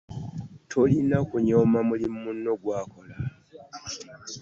Tolina kunyooma mulimu muno gw'akola.